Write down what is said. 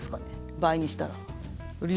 倍にしたら。